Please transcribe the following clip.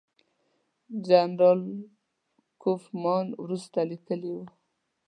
جنرال کوفمان وروسته لیکلي وو.